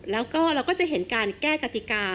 แล้วก็เราก็จะเห็นการแก้กติกา